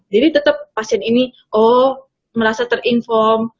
jadi tetap pasien ini oh merasa ter inform